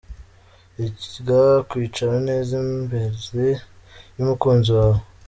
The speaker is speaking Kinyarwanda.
Iga kwicara neza imbere y’umukunzi wawe.